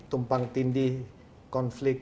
tumpang tindih konflik